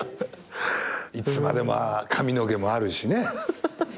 いつまでまあ髪の毛もあるしねぇ。